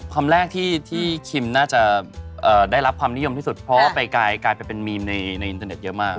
คำแรกที่คิมน่าจะได้รับความนิยมที่สุดเพราะว่าไปกลายเป็นมีมในอินเทอร์เน็ตเยอะมาก